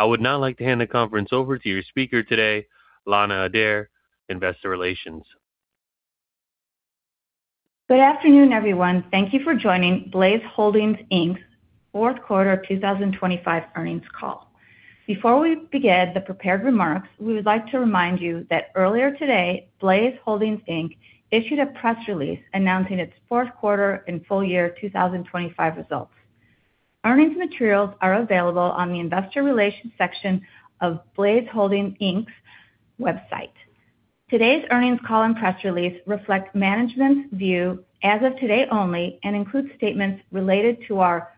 I would now like to hand the conference over to your speaker today, Lana Adair, Investor Relations. Good afternoon, everyone. Thank you for joining Blaize Holdings, Inc.'s Q4 2025 earnings call. Before we begin the prepared remarks, we would like to remind you that earlier today, Blaize Holdings, Inc. issued a press release announcing its Q4 and full 2025 results. Earnings materials are available on the investor relations section of Blaize Holdings, Inc.'s website. Today's earnings call and press release reflect management's view as of today only and include statements related to our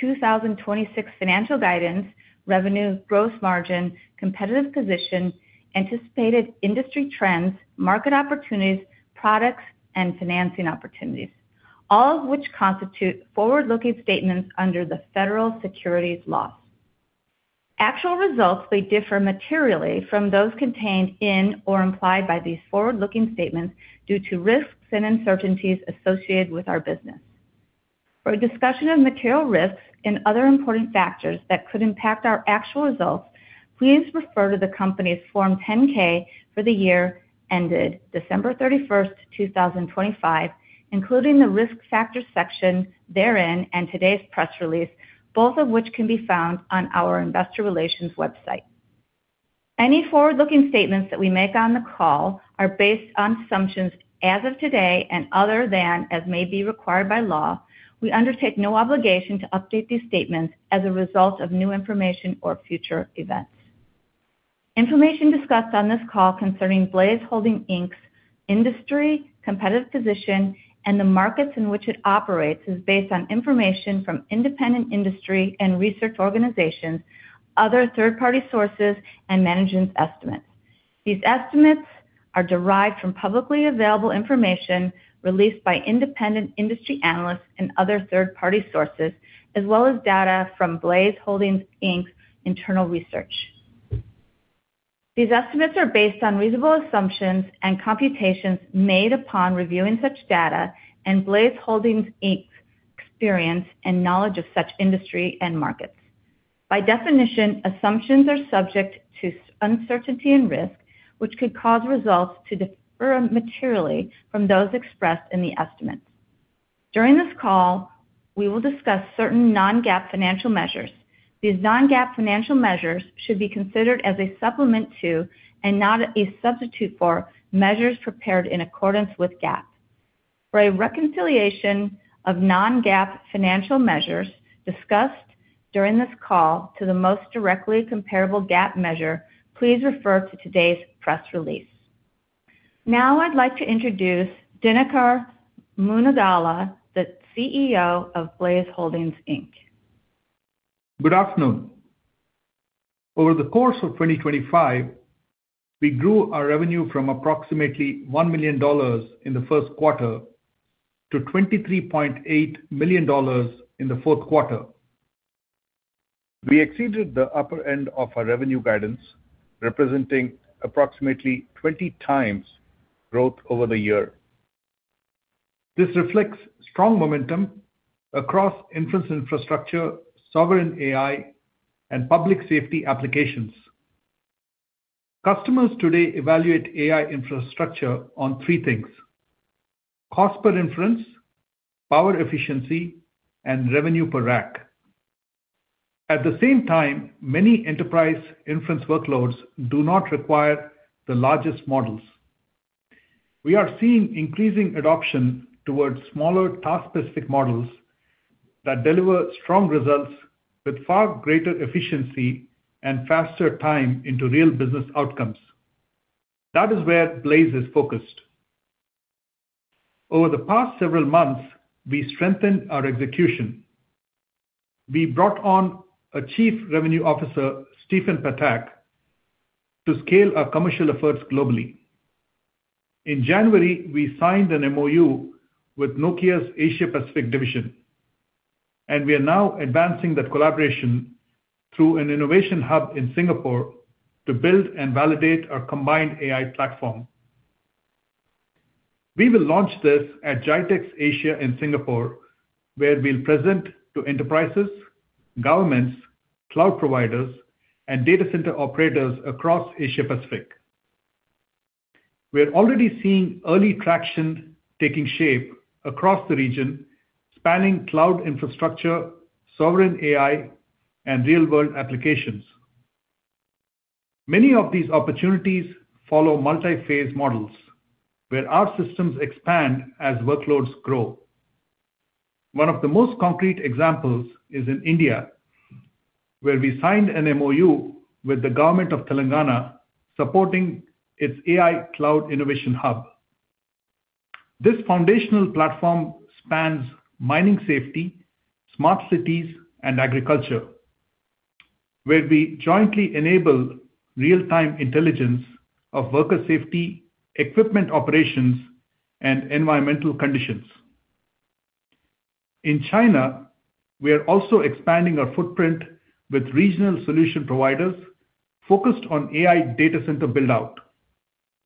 2026 financial guidance, revenue, gross margin, competitive position, anticipated indtry trends, market opportunities, products, and financing opportunities, all of which constitute forward-looking statements under the federal securities laws. Actual results may differ materially from those contained in or implied by these forward-looking statements due to risks and uncertainties associated with our business. For a discussion of material risks and other important factors that could impact our actual results, please refer to the company's Form 10-K for the year ended December 31, 2025, including the Risk Factors section therein and today's press release, both of which can be found on our investor relations website. Any forward-looking statements that we make on the call are based on assumptions as of today and other than as may be required by law. We undertake no obligation to update these statements as a result of new information or future events. Information discussed on this call concerning Blaize Holdings, Inc.'s industry, competitive position, and the markets in which it operates is based on information from independent industry and research organizations, other third-party sources, and management's estimates. These estimates are derived from publicly available information released by independent industry analysts and other third-party sources, as well as data from Blaize Holdings, Inc.'s internal research. These estimates are based on reasonable assumptions and computations made upon reviewing such data and Blaize Holdings, Inc.'s experience and knowledge of such industry and markets. By definition, assumptions are subject to uncertainty and risk, which could cause results to differ materially from those expressed in the estimates. During this call, we will discuss certain non-GAAP financial measures. These non-GAAP financial measures should be considered as a supplement to, and not a substitute for, measures prepared in accordance with GAAP. For a reconciliation of non-GAAP financial measures discussed during this call to the most directly comparable GAAP measure, please refer to today's press release. Now I'd like to introduce Dinakar Munagala, the CEO of Blaize Holdings, Inc. Good afternoon. Over the course of 2025, we grew our revenue from approximately $1 million in the Q1 to $23.8 million in the Q4. We exceeded the upper end of our revenue guidance, representing approximately 20 times growth over the year. This reflects strong momentum across inference infrastructure, sovereign AI, and public safety applications. Customers today evaluate AI infrastructure on three things, cost per inference, power efficiency, and revenue per rack. At the same time, many enterprise inference workloads do not require the largest models. We are seeing increasing adoption towards smaller task-specific models that deliver strong results with far greater efficiency and faster time into real business outcomes. That is where Blaize is focused. Over the past several months, we strengthened our execution. We brought on a Chief Revenue Officer, Stephen Patak, to scale our commercial efforts globally. In January, we signed an MoU with Nokia's Asia Pacific division, and we are now advancing that collaboration through an innovation hub in Singapore to build and validate our combined AI platform. We will launch this at GITEX ASIA in Singapore, where we'll present to enterprises, governments, cloud providers, and data center operators across Asia Pacific. We're already seeing early traction taking shape across the region, spanning cloud infrastructure, sovereign AI, and real-world applications. Many of these opportunities follow multi-phase models, where our systems expand as workloads grow. One of the most concrete examples is in India, where we signed an MoU with the government of Telangana supporting its AI cloud innovation hub. This foundational platform spans mining safety, smart cities, and agriculture, where we jointly enable real-time intelligence of worker safety, equipment operations, and environmental conditions. In China, we are also expanding our footprint with regional solution providers focused on AI data center build-out,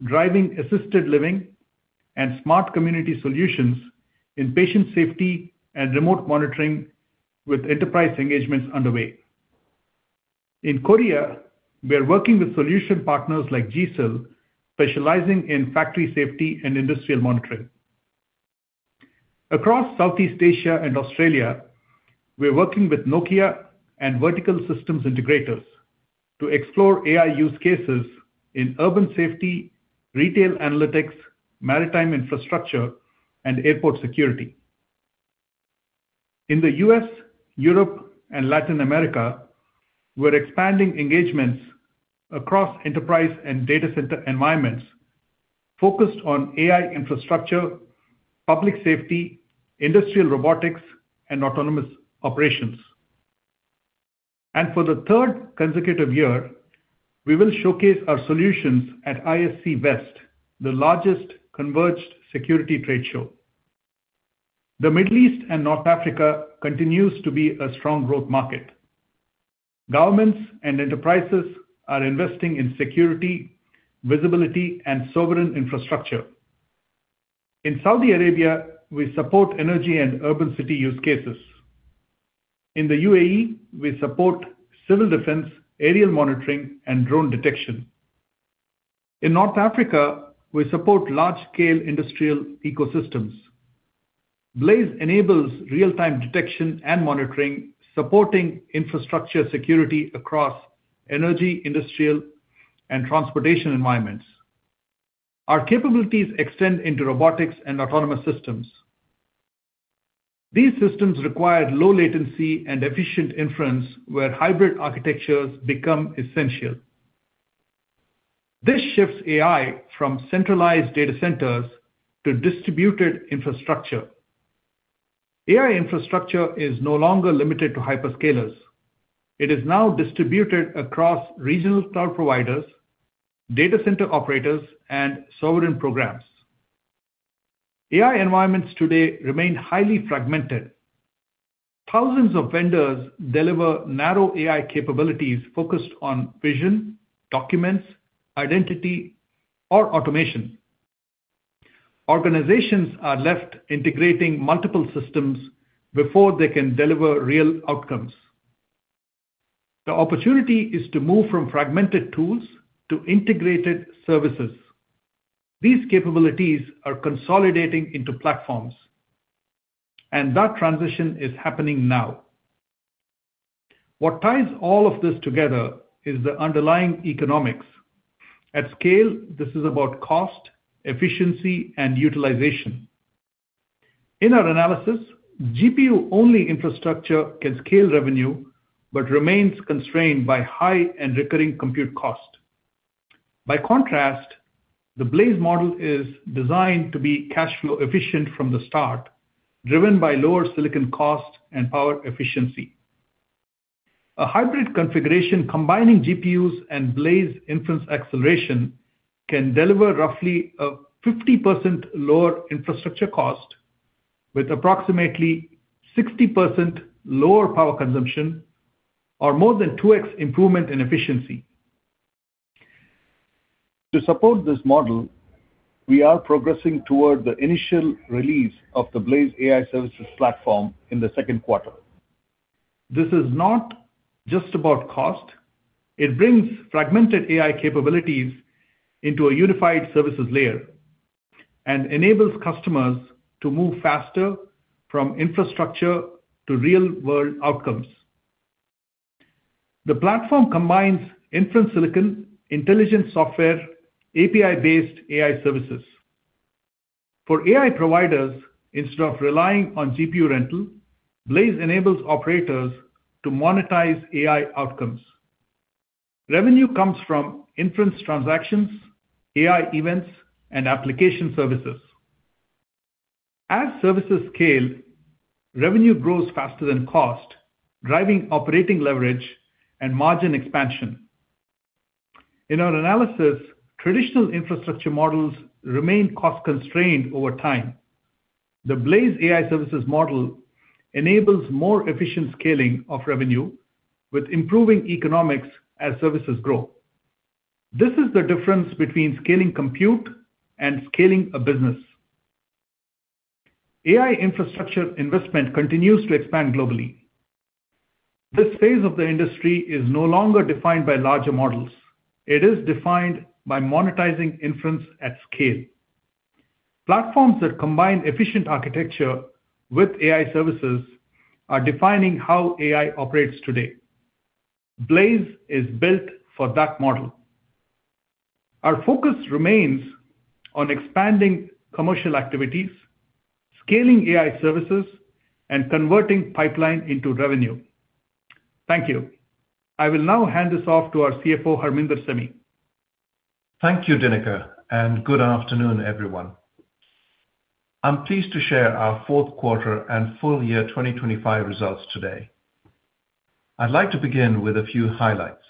driving assisted living and smart community solutions in patient safety and remote monitoring with enterprise engagements underway. In Korea, we are working with solution partners like GSIL, specializing in factory safety and industrial monitoring. Across Southeast Asia and Australia, we're working with Nokia and vertical systems integrators to explore AI use cases in urban safety, retail analytics, maritime infrastructure, and airport security. In the U.S., Europe and Latin America, we're expanding engagements across enterprise and data center environments focused on AI infrastructure, public safety, industrial robotics and autonomous operations. For the third consecutive year, we will showcase our solutions at ISC West, the largest converged security trade show. The Middle East and North Africa continues to be a strong growth market. Governments and enterprises are investing in security, visibility, and sovereign infrastructure. In Saudi Arabia, we support energy and urban city use cases. In the UAE, we support civil defense, aerial monitoring and drone detection. In North Africa, we support large-scale industrial ecosystems. Blaize enables real-time detection and monitoring, supporting infrastructure security across energy, industrial, and transportation environments. Our capabilities extend into robotics and autonomous systems. These systems require low latency and efficient inference where hybrid architectures become essential. This shifts AI from centralized data centers to distributed infrastructure. AI infrastructure is no longer limited to hyperscalers. It is now distributed across regional cloud providers, data center operators, and sovereign programs. AI environments today remain highly fragmented. Thousands of vendors deliver narrow AI capabilities focused on vision, documents, identity, or automation. Organizations are left integrating multiple systems before they can deliver real outcomes. The opportunity is to move from fragmented tools to integrated services. These capabilities are consolidating into platforms, and that transition is happening now. What ties all of this together is the underlying economics. At scale, this is about cost, efficiency, and utilization. In our analysis, GPU-only infrastructure can scale revenue but remains constrained by high and recurring compute cost. By contrast, the Blaize model is designed to be cash flow efficient from the start, driven by lower silicon cost and power efficiency. A hybrid configuration combining GPUs and Blaize inference acceleration can deliver roughly a 50% lower infrastructure cost with approximately 60% lower power consumption or more than 2x improvement in efficiency. To support this model, we are progressing toward the initial release of the Blaize AI Services platform in the Q2. This is not just about cost. It brings fragmented AI capabilities into a unified services layer and enables customers to move faster from infrastructure to real-world outcomes. The platform combines inference silicon, intelligent software, API-based AI services. For AI providers, instead of relying on GPU rental, Blaize enables operators to monetize AI outcomes. Revenue comes from inference transactions, AI events, and application services. As services scale, revenue grows faster than cost, driving operating leverage and margin expansion. In our analysis, traditional infrastructure models remain cost-constrained over time. The Blaize AI services model enables more efficient scaling of revenue with improving economics as services grow. This is the difference between scaling compute and scaling a business. AI infrastructure investment continues to expand globally. This phase of the industry is no longer defined by larger models. It is defined by monetizing inference at scale. Platforms that combine efficient architecture with AI services are defining how AI operates today. Blaize is built for that model. Our focus remains on expanding commercial activities, scaling AI services, and converting pipeline into revenue. Thank you. I will now hand this off to our CFO, Harminder Sehmi. Thank you, Dinakar, and good afternoon, everyone. I'm pleased to share our Q4 and full year 2025 results today. I'd like to begin with a few highlights.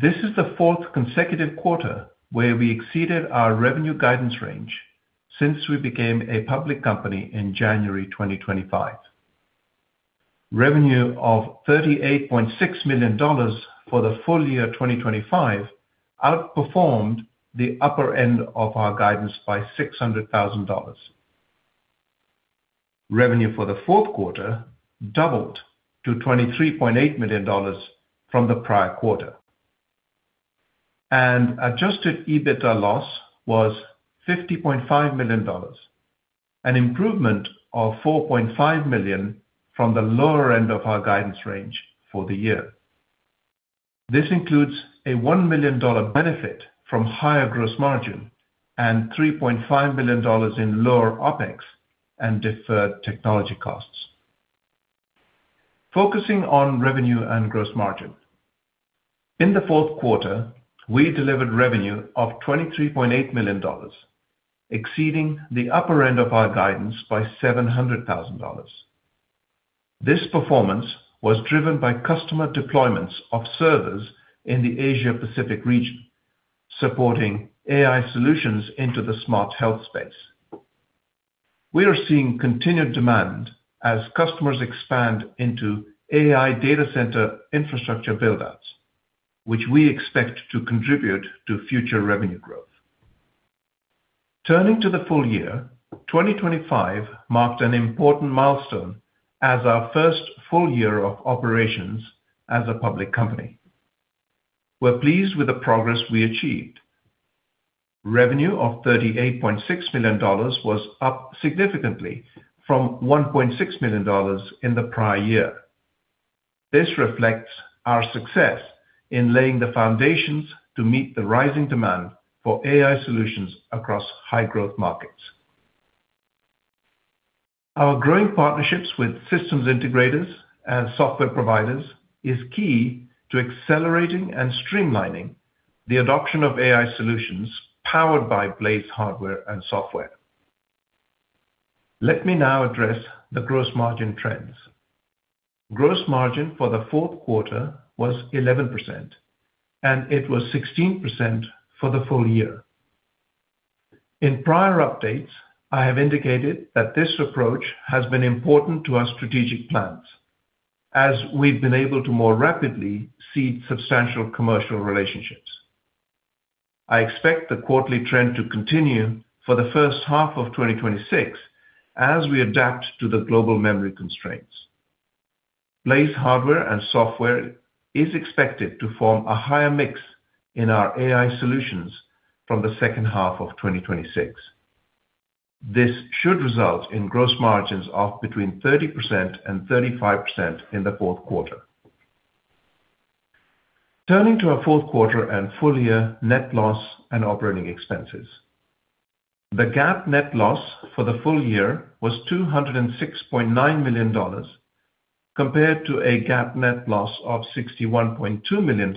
This is the fourth consecutive quarter where we exceeded our revenue guidance range since we became a public company in January 2025. Revenue of $38.6 million for the full year 2025 outperformed the upper end of our guidance by $600,000. Revenue for the Q4 doubled to $23.8 million from the prior quarter. Adjusted EBITDA loss was $50.5 million, an improvement of $4.5 million from the lower end of our guidance range for the year. This includes a $1 million benefit from higher gross margin and $3.5 million in lower OpEx and deferred technology costs. Focusing on revenue and gross margin. In the Q4, we delivered revenue of $23.8 million, exceeding the upper end of our guidance by $700,000. This performance was driven by customer deployments of servers in the Asia-Pacific region, supporting AI solutions into the smart health space. We are seeing continued demand as customers expand into AI data center infrastructure build outs, which we expect to contribute to future revenue growth. Turning to the full year, 2025 marked an important milestone as our first full year of operations as a public company. We're pleased with the progress we achieved. Revenue of $38.6 million was up significantly from $1.6 million in the prior year. This reflects our success in laying the foundations to meet the rising demand for AI solutions across high growth markets. Our growing partnerships with systems integrators and software providers is key to accelerating and streamlining the adoption of AI solutions powered by Blaize hardware and software. Let me now address the gross margin trends. Gross margin for the Q4 was 11%, and it was 16% for the full year. In prior updates, I have indicated that this approach has been important to our strategic plans as we've been able to more rapidly seed substantial commercial relationships. I expect the quarterly trend to continue for the first half of 2026 as we adapt to the global memory constraints. Blaize hardware and software is expected to form a higher mix in our AI solutions from the second half of 2026. This should result in gross margins of between 30% and 35% in the Q4. Turning to our Q4 and full year net loss and operating expenses. The GAAP net loss for the full year was $206.9 million compared to a GAAP net loss of $61.2 million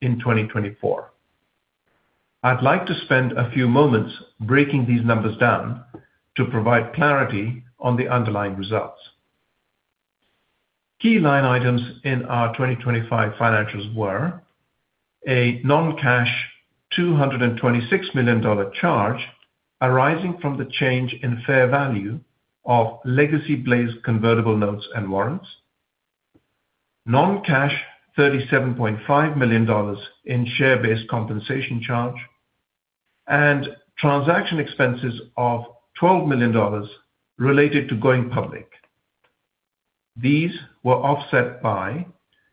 in 2024. I'd like to spend a few moments breaking these numbers down to provide clarity on the underlying results. Key line items in our 2025 financials were a non-cash $226 million charge arising from the change in fair value of legacy Blaize convertible notes and warrants, non-cash $37.5 million in share-based compensation charge, and transaction expenses of $12 million related to going public. These were offset by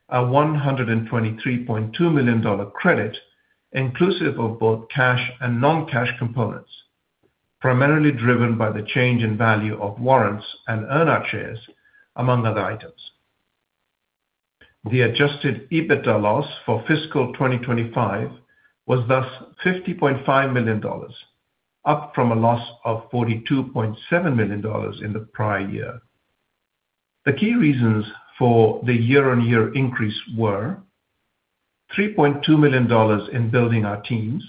a $123.2 million credit, inclusive of both cash and non-cash components, primarily driven by the change in value of warrants and earn out shares, among other items. The adjusted EBITDA loss for fiscal 2025 was thus $50.5 million, up from a loss of $42.7 million in the prior year. The key reasons for the year-on-year increase were $3.2 million in building our teams,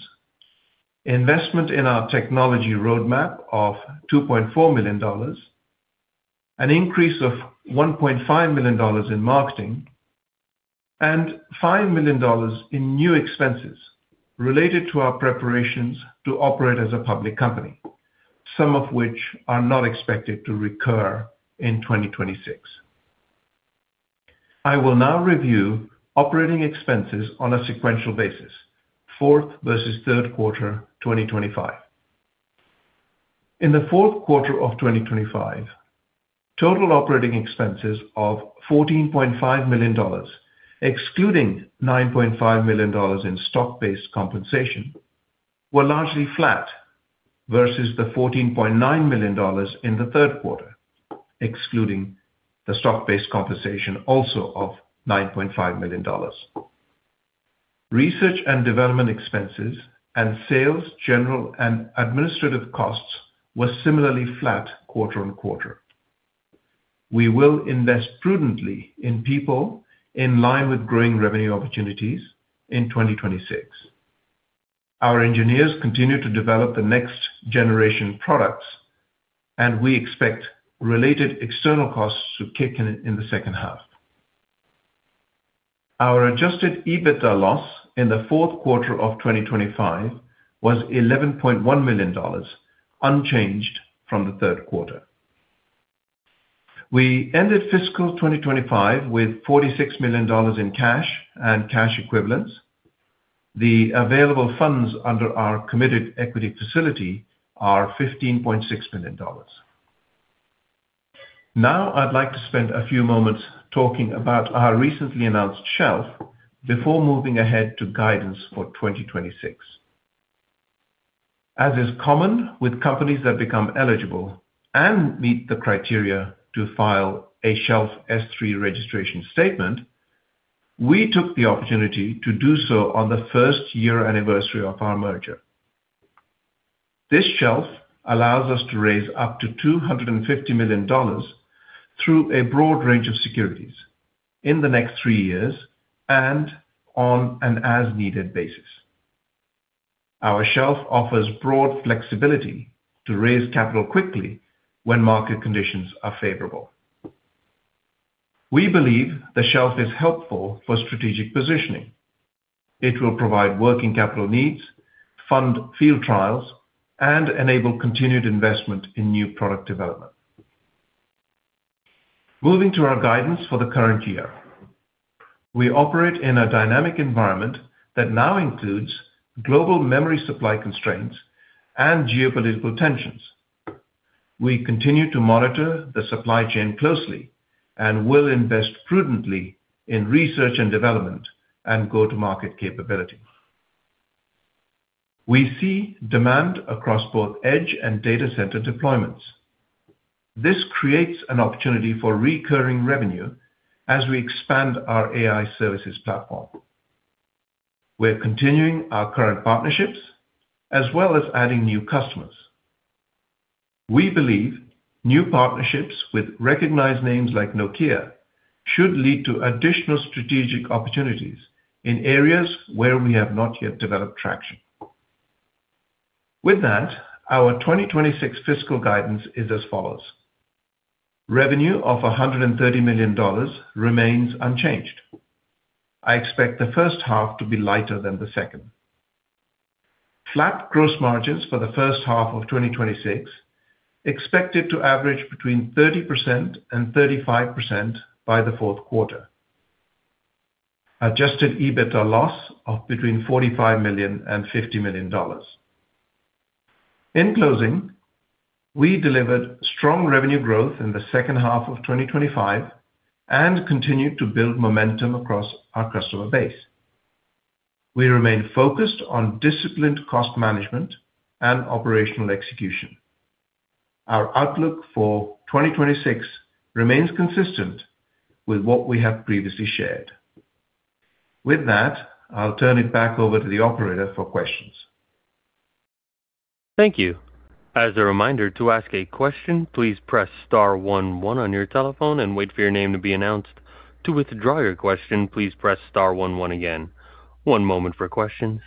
investment in our technology roadmap of $2.4 million, an increase of $1.5 million in marketing, and $5 million in new expenses related to our preparations to operate as a public company, some of which are not expected to recur in 2026. I will now review operating expenses on a sequential basis, fourth versus Q3, 2025. In the Q4 of 2025, total operating expenses of $14.5 million, excluding $9.5 million in stock-based compensation, were largely flat versus the $14.9 million in the Q3, excluding the stock-based compensation also of $9.5 million. Research and development expenses and sales, general, and administrative costs were similarly flat quarter-over-quarter. We will invest prudently in people in line with growing revenue opportunities in 2026. Our engineers continue to develop the next generation products, and we expect related external costs to kick in in the second half. Our adjusted EBITDA loss in the Q4 of 2025 was $11.1 million, unchanged from the Q3. We ended fiscal 2025 with $46 million in cash and cash equivalents. The available funds under our committed equity facility are $15.6 million. Now I'd like to spend a few moments talking about our recently announced shelf before moving ahead to guidance for 2026. As is common with companies that become eligible and meet the criteria to file a shelf S-3 registration statement, we took the opportunity to do so on the first year anniversary of our merger. This shelf allows us to raise up to $250 million through a broad range of securities in the next three years and on an as-needed basis. Our shelf offers broad flexibility to raise capital quickly when market conditions are favorable. We believe the shelf is helpful for strategic positioning. It will provide working capital needs, fund field trials, and enable continued investment in new product development. Moving to our guidance for the current year. We operate in a dynamic environment that now includes global memory supply constraints and geopolitical tensions. We continue to monitor the supply chain closely and will invest prudently in research and development and go-to-market capability. We see demand across both edge and data center deployments. This creates an opportunity for recurring revenue as we expand our AI Services platform. We're continuing our current partnerships as well as adding new customers. We believe new partnerships with recognized names like Nokia should lead to additional strategic opportunities in areas where we have not yet developed traction. With that, our 2026 fiscal guidance is as follows. Revenue of $130 million remains unchanged. I expect the first half to be lighter than the second. Flat gross margins for the first half of 2026, expected to average between 30% and 35% by the Q4. Adjusted EBITDA loss of between $45 million and $50 million. In closing, we delivered strong revenue growth in the second half of 2025 and continued to build momentum across our customer base. We remain focused on disciplined cost management and operational execution. Our outlook for 2026 remains consistent with what we have previously shared. With that, I'll turn it back over to the operator for questions. Thank you. As a reminder, to ask a question, please press star one one on your telephone and wait for your name to be announced. To withdraw your question, please press star one one again. One moment for questions.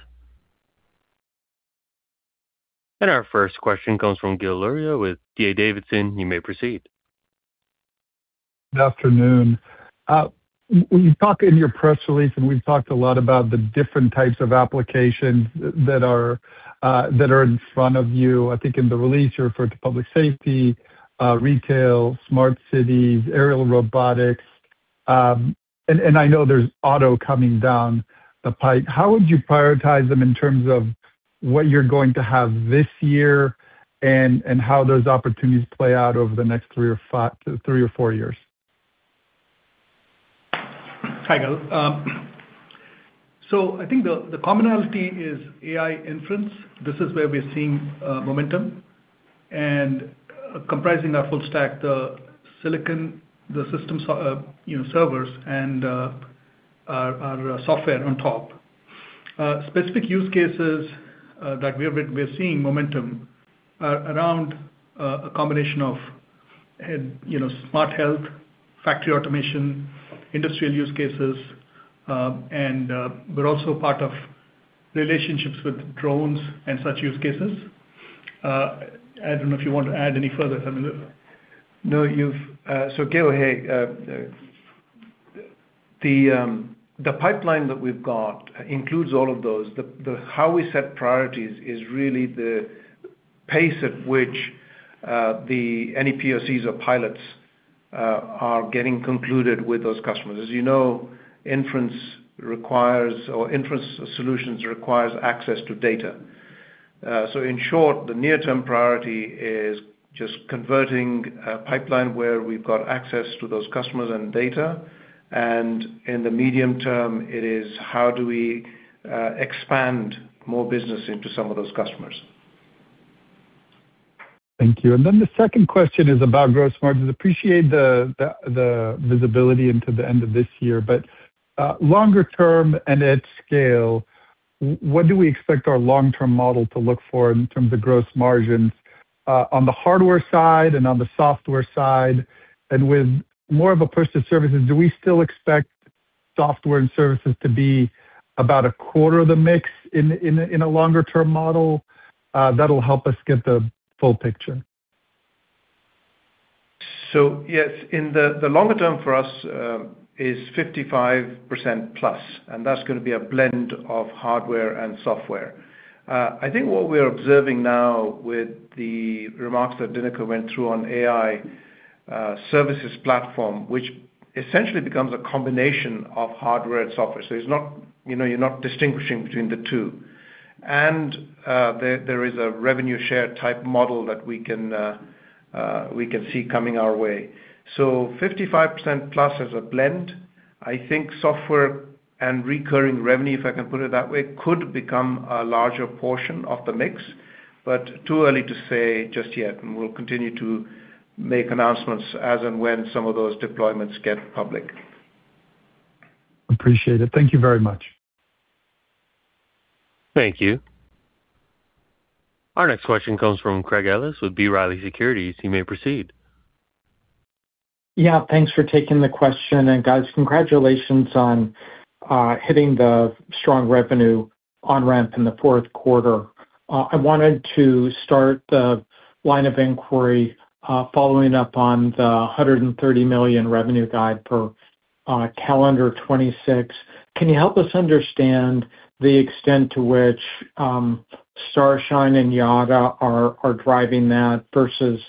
Our first question comes from Gil Luria with D.A. Davidson. You may proceed. Good afternoon. When you talk in your press release, and we've talked a lot about the different types of applications that are in front of you. I think in the release you referred to public safety, retail, smart cities, aerial robotics, and I know there's auto coming down the pipe. How would you prioritize them in terms of what you're going to have this year and how those opportunities play out over the next three or four years? Hi, Gil. I think the commonality is AI inference. This is where we're seeing momentum and comprising our full stack, the silicon, the system, servers and our software on top. Specific use cases that we're seeing momentum are around a combination of smart health, factory automation, industrial use cases, and but also part of relationships with drones and such use cases. I don't know if you want to add any further, Harminder. No. Gil, hey. The pipeline that we've got includes all of those. The how we set priorities is really the pace at which any POCs or pilots are getting concluded with those customers. As you know, inference requires or inference solutions requires access to data. In short, the near-term priority is just converting a pipeline where we've got access to those customers and data, and in the medium term, it is how do we expand more business into some of those customers. Thank you. Then the second question is about gross margins. I appreciate the visibility into the end of this year, but longer term and at scale, what do we expect our long-term model to look for in terms of gross margins on the hardware side and on the software side? With more of a push to services, do we still expect software and services to be about a quarter of the mix in a longer-term model? That'll help us get the full picture. Yes, in the longer term for us, is 55% plus, and that's gonna be a blend of hardware and software. I think what we're observing now with the remarks that Dinakar went through on AI services platform, which essentially becomes a combination of hardware and software. It's not. You know, you're not distinguishing between the two. There is a revenue share type model that we can see coming our way. 55% plus as a blend. I think software and recurring revenue, if I can put it that way, could become a larger portion of the mix, but too early to say just yet, and we'll continue to make announcements as and when some of those deployments get public. Appreciate it. Thank you very much. Thank you. Our next question comes from Craig Ellis with B. Riley Securities. You may proceed. Yeah, thanks for taking the question. Guys, congratulations on hitting the strong revenue on ramp in the Q4. I wanted to start the line of inquiry following up on the $130 million revenue guide for calendar 2026. Can you help us understand the extent to which Starline and Yota are driving that versus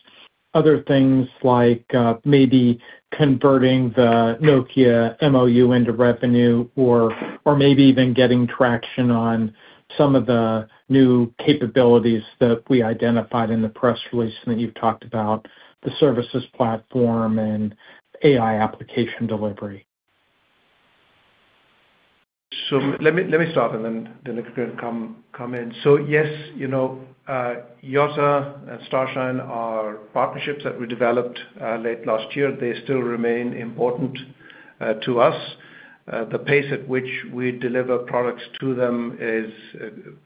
other things like maybe converting the Nokia MOU into revenue or maybe even getting traction on some of the new capabilities that we identified in the press release that you've talked about, the services platform and AI application delivery? Let me start, and then Dinakar can come in. Yes, Yota and Starline are partnerships that we developed late last year. They still remain important to us. The pace at which we deliver products to them is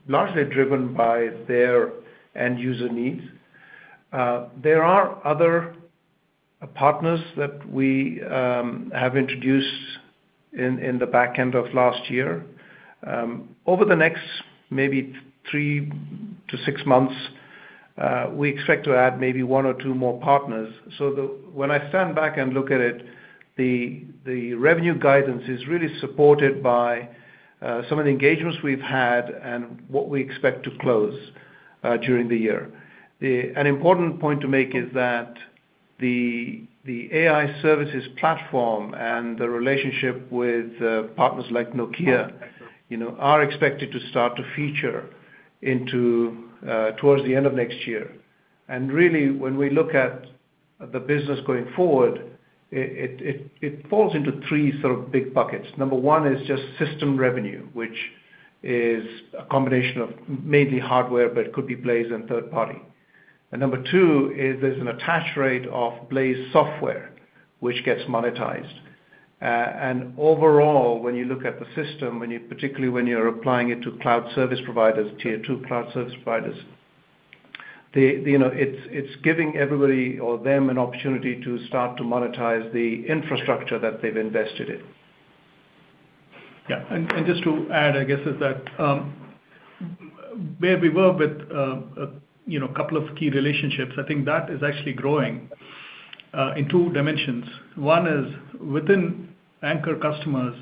largely driven by their end user needs. There are other partners that we have introduced in the back end of last year. Over the next maybe 3-6 months, we expect to add maybe 1 or 2 more partners. When I stand back and look at it, the revenue guidance is really supported by some of the engagements we've had and what we expect to close during the year. An important point to make is that the AI services platform and the relationship with partners like Nokia, are expected to start to feature into towards the end of next year. Really, when we look at the business going forward, it falls into three sort of big buckets. Number one is just system revenue, which is a combination of mainly hardware, but could be Blaize and third party. Number two is there's an attach rate of Blaize software which gets monetized. Overall, when you look at the system, particularly when you're applying it to cloud service providers, tier two cloud service providers, it's giving everybody or them an opportunity to start to monetize the infrastructure that they've invested in. Yeah. Just to add, I guess, is that where we were with, couple of key relationships, I think that is actually growing in two dimensions. One is within anchor customers,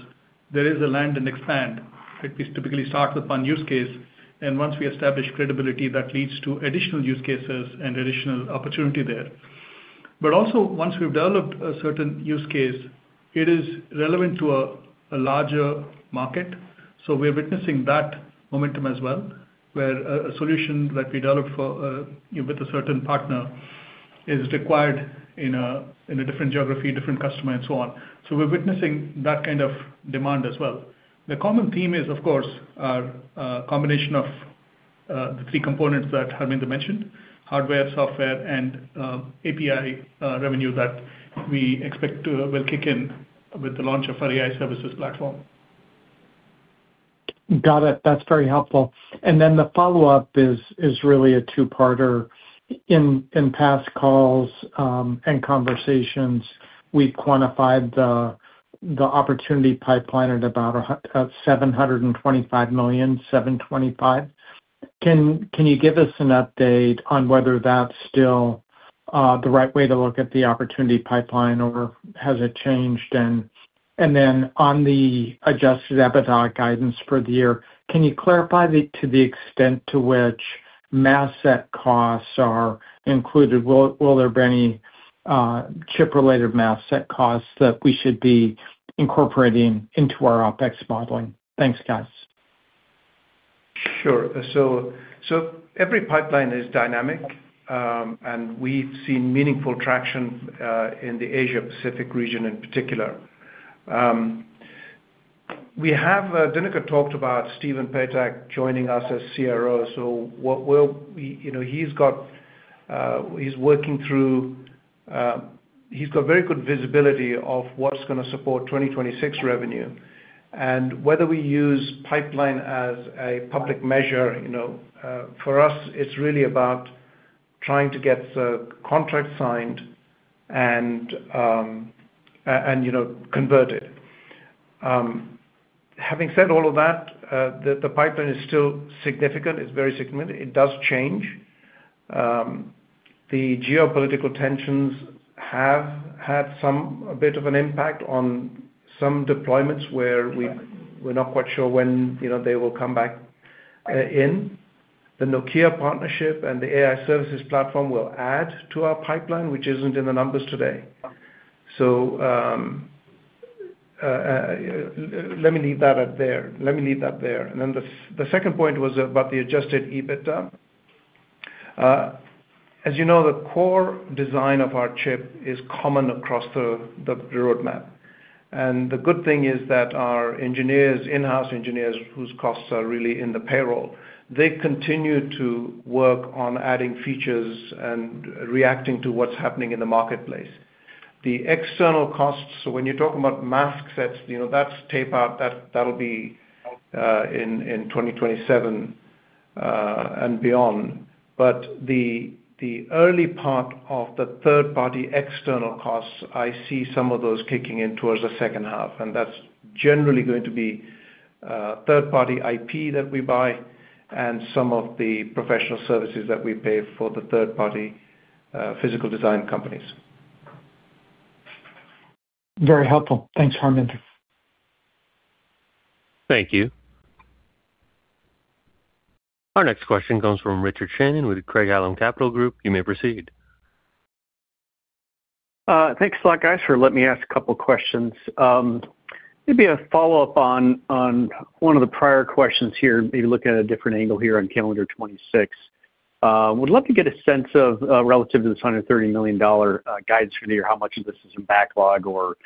there is a land and expand that is typically starts with one use case, and once we establish credibility, that leads to additional use cases and additional opportunity there. But also, once we've developed a certain use case, it is relevant to a larger market. We're witnessing that momentum as well, where a solution that we develop for with a certain partner is required in a different geography, different customer and so on. We're witnessing that kind of demand as well. The common theme is of course our combination of the three components that Harminder mentioned, hardware, software, and API revenue that we expect will kick in with the launch of our AI services platform. Got it. That's very helpful. The follow-up is really a two-parter. In past calls and conversations, we've quantified the opportunity pipeline at about $725 million. Can you give us an update on whether that's still the right way to look at the opportunity pipeline or has it changed? On the adjusted EBITDA guidance for the year, can you clarify the extent to which mask set costs are included? Will there be any chip related mask set costs that we should be incorporating into our OPEX modeling? Thanks, guys. Sure. Every pipeline is dynamic, and we've seen meaningful traction in the Asia Pacific region in particular. We have, Dinakar talked about Stephen Patak joining us as CRO. You know, he's got very good visibility of what's gonna support 2026 revenue, and whether we use pipeline as a public measure, for us, it's really about trying to get the contract signed and converted. Having said all of that, the pipeline is still significant. It's very significant. It does change. The geopolitical tensions have had a bit of an impact on some deployments where we're not quite sure when, they will come back, in. The Nokia partnership and the AI services platform will add to our pipeline, which isn't in the numbers today. Let me leave that there. The second point was about the adjusted EBITDA. As you know, the core design of our chip is common across the roadmap. The good thing is that our engineers, in-house engineers, whose costs are really in the payroll, they continue to work on adding features and reacting to what's happening in the marketplace. The external costs, so when you're talking about mask sets, that's tape out, that'll be in 2027 and beyond. The early part of the third party external costs, I see some of those kicking in toward the second half, and that's generally going to be third party IP that we buy and some of the professional services that we pay for the third party physical design companies. Very helpful. Thanks, Harminder. Thank you. Our next question comes from Richard Shannon with Craig-Hallum Capital Group. You may proceed. Thanks a lot, guys, for letting me ask a couple questions. Maybe a follow-up on one of the prior questions here, maybe look at a different angle here on calendar 2026. Would love to get a sense of relative to this $130 million guidance for the year, how much of this is in backlog or,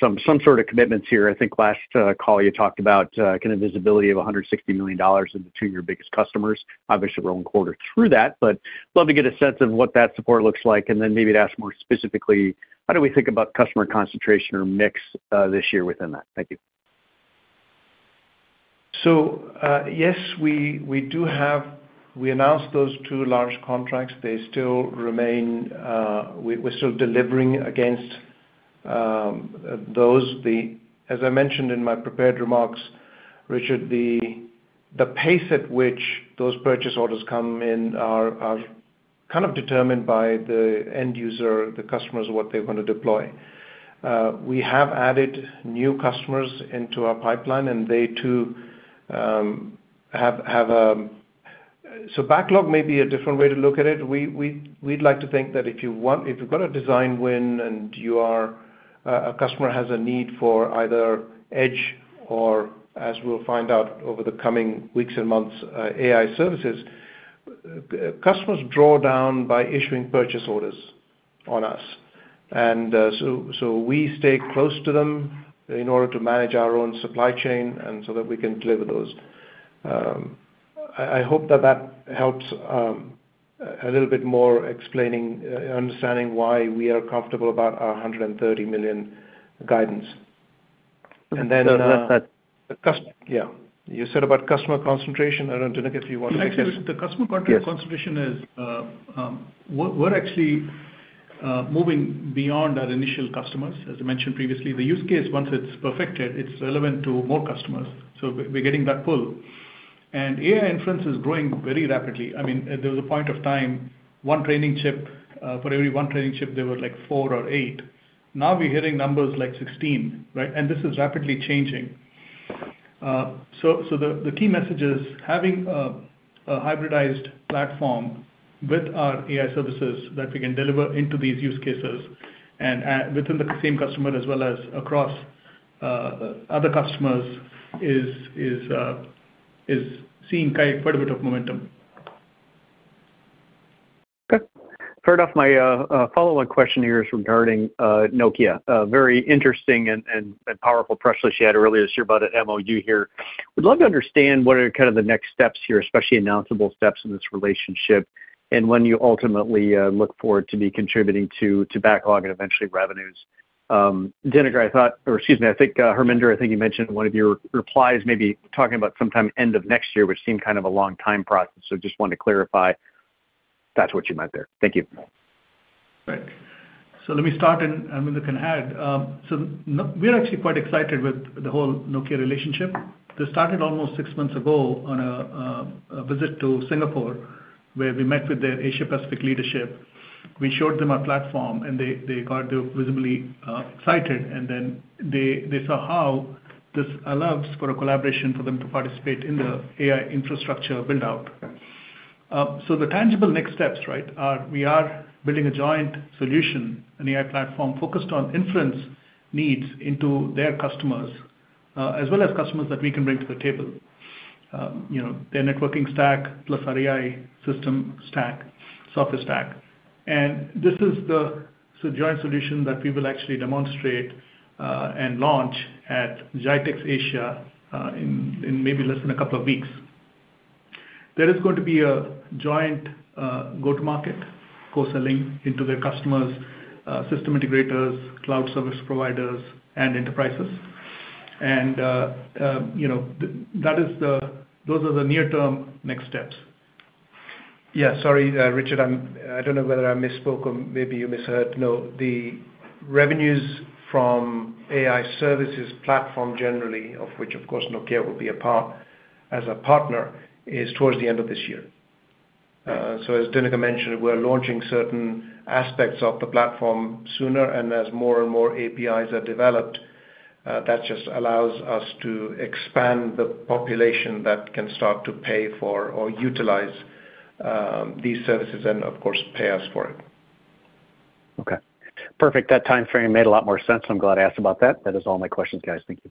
some sort of commitments here. I think last call you talked about kind of visibility of $160 million to two of your biggest customers. Obviously, we're one quarter through that, but love to get a sense of what that support looks like, and then maybe to ask more specifically, how do we think about customer concentration or mix this year within that? Thank you. Yes, we do have. We announced those two large contracts. They still remain. We're still delivering against those. As I mentioned in my prepared remarks, Richard, the pace at which those purchase orders come in are kind of determined by the end user, the customers, what they wanna deploy. We have added new customers into our pipeline and they too have. Backlog may be a different way to look at it. We'd like to think that if you've got a design win and you are a customer has a need for either edge or as we'll find out over the coming weeks and months, AI services, customers draw down by issuing purchase orders on us. We stay close to them in order to manage our own supply chain and so that we can deliver those. I hope that helps a little bit more understanding why we are comfortable about our $130 million guidance. That's that. Yeah. You said about customer concentration. Arun, Dinakar, if you want to take this. Actually, the customer concentration is, we're actually moving beyond our initial customers. As I mentioned previously, the use case, once it's perfected, it's relevant to more customers. We're getting that pull. AI inference is growing very rapidly. I mean, there was a point of time, one training chip for every one training chip, there were like four or eight. Now we're hearing numbers like 16, right? This is rapidly changing. The key message is having a hybridized platform with our AI services that we can deliver into these use cases and within the same customer as well as across other customers is seeing quite a bit of momentum. Okay. Fair enough. My follow-on question here is regarding Nokia. Very interesting and powerful press release you had earlier this year about an MOU here. Would love to understand what are kind of the next steps here, especially announceable steps in this relationship, and when you ultimately look forward to be contributing to backlog and eventually revenues. Dinakar, or excuse me, I think Harminder, I think you mentioned in one of your replies maybe talking about sometime end of next year, which seemed kind of a long time process. Just wanted to clarify if that's what you meant there. Thank you. Right. Let me start, and Harminder can add. We're actually quite excited with the whole Nokia relationship. This started almost six months ago on a visit to Singapore, where we met with their Asia Pacific leadership. We showed them our platform, and they got visibly excited. They saw how this allows for a collaboration for them to participate in the AI infrastructure build-out. The tangible next steps, right, are we are building a joint solution, an AI platform focused on inference needs into their customers, as well as customers that we can bring to the table. You know, their networking stack plus our AI system stack, software stack. This is the joint solution that we will actually demonstrate and launch at GITEX Asia in maybe less than a couple of weeks. There is going to be a joint go-to-market co-selling into their customers, system integrators, cloud service providers, and enterprises. Those are the near-term next steps. Sorry, Richard, I don't know whether I misspoke or maybe you misheard. No, the revenues from AI Services platform generally, of which of course Nokia will be a part as a partner, is towards the end of this year. As Dinakar mentioned, we're launching certain aspects of the platform sooner, and as more and more APIs are developed, that just allows us to expand the population that can start to pay for or utilize these services and of course pay us for it. Okay. Perfect. That timeframe made a lot more sense. I'm glad I asked about that. That is all my questions, guys. Thank you.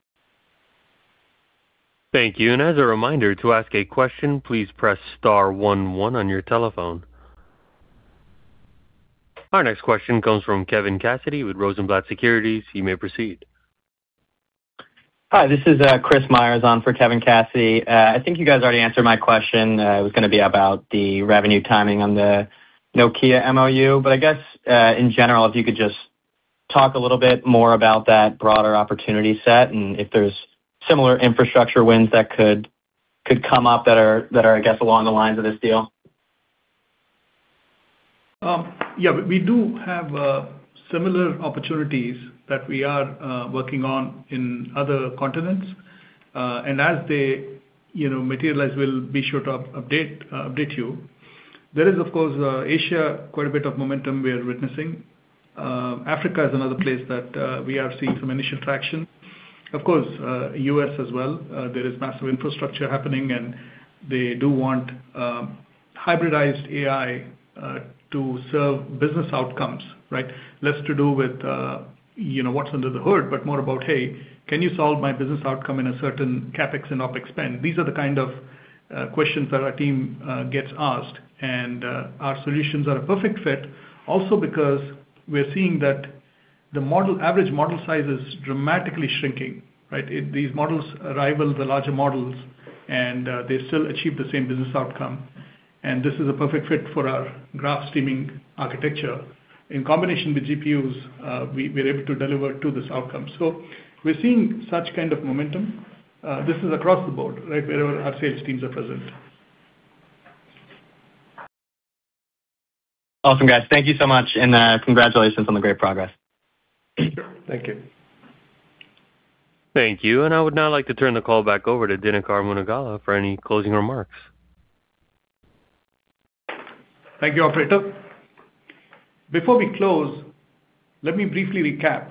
Thank you. As a reminder, to ask a question, please press star one one on your telephone. Our next question comes from Kevin Cassidy with Rosenblatt Securities. You may proceed. Hi, this is Chris Myers on for Kevin Cassidy. I think you guys already answered my question. It was gonna be about the revenue timing on the Nokia MOU. I guess, in general, if you could just talk a little bit more about that broader opportunity set and if there's similar infrastructure wins that could come up that are, I guess, along the lines of this deal. Yeah, we do have similar opportunities that we are working on in other continents. As they, materialize, we'll be sure to update you. There is, of course, Asia, quite a bit of momentum we are witnessing. Africa is another place that we are seeing some initial traction. Of course, U.S. as well, there is massive infrastructure happening, and they do want hybridized AI to serve business outcomes, right? Less to do with, what's under the hood, but more about, "Hey, can you solve my business outcome in a certain CapEx and OpEx spend?" These are the kind of questions that our team gets asked. Our solutions are a perfect fit also because we're seeing that the average model size is dramatically shrinking, right? These models rival the larger models, and they still achieve the same business outcome. This is a perfect fit for our graph streaming architecture. In combination with GPUs, we're able to deliver this outcome. We're seeing such kind of momentum. This is across the board, right? Wherever our sales teams are present. Awesome, guys. Thank you so much and, congratulations on the great progress. Thank you. Thank you. I would now like to turn the call back over to Dinakar Munagala for any closing remarks. Thank you, operator. Before we close, let me briefly recap.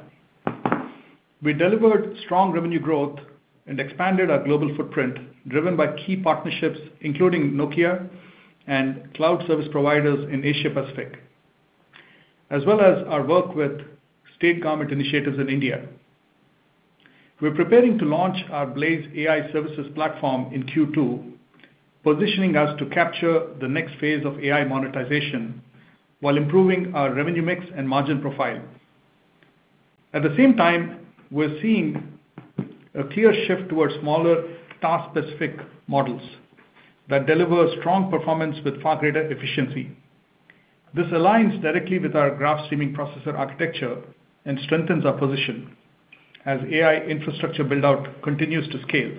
We delivered strong revenue growth and expanded our global footprint, driven by key partnerships including Nokia and cloud service providers in Asia Pacific, as well as our work with state government initiatives in India. We're preparing to launch our Blaize AI Services platform in Q2, positioning us to capture the next phase of AI monetization while improving our revenue mix and margin profile. At the same time, we're seeing a clear shift towards smaller task-specific models that deliver strong performance with far greater efficiency. This aligns directly with our Graph Streaming Processor architecture and strengthens our position as AI infrastructure build-out continues to scale.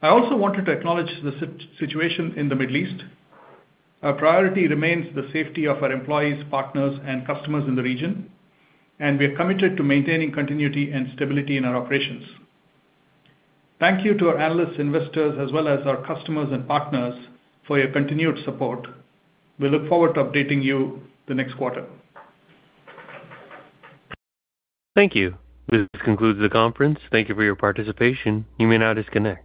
I also wanted to acknowledge the situation in the Middle East. Our priority remains the safety of our employees, partners, and customers in the region, and we're committed to maintaining continuity and stability in our operations. Thank you to our analysts, investors, as well as our customers and partners for your continued support. We look forward to updating you the next quarter. Thank you. This concludes the conference. Thank you for your participation. You may now disconnect.